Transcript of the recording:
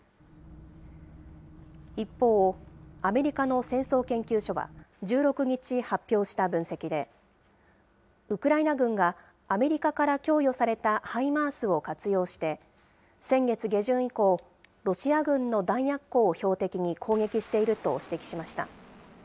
一方、アメリカの戦争研究所は、１６日発表した分析で、ウクライナ軍がアメリカから供与されたハイマースを活用して、先月下旬以降、ロシア軍の弾薬庫を標的に攻撃していると指摘しました。